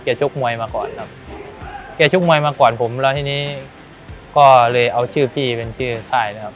ชกมวยมาก่อนครับแกชกมวยมาก่อนผมแล้วทีนี้ก็เลยเอาชื่อพี่เป็นชื่อค่ายนะครับ